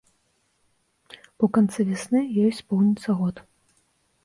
У канцы вясны ёй споўніцца год.